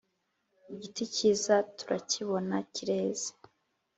Igiti kiza turakibona kireze